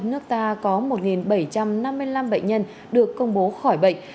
nước ta có một bảy trăm năm mươi năm bệnh nhân được công bố khỏi bệnh